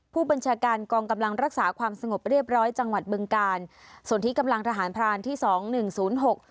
ผู้บัญชาการกองกำลังรักษาความสงบเรียบร้อยจังหวัดบึงกาลส่วนที่กำลังทหารพรานที่สองหนึ่งศูนย์หก